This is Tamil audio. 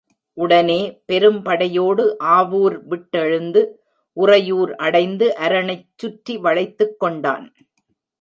உடனே, பெரும் படையோடு, ஆவூர் விட்டெழுந்து, உறையூர் அடைந்து அரணைச் சுற்றி வளைத்துக் கொண்டான்.